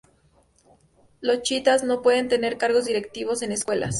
Los chiitas no pueden tener cargos directivos en escuelas.